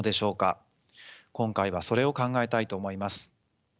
今回はそれを考えたいと思います。